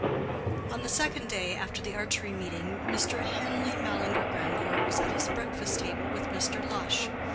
On the second day after the archery meeting, Mr. Henleigh Mallinger Grandcourt was at his breakfast table with Mr. Lush.